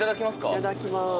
いただきます。